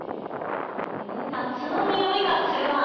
夏のにおいがするワン。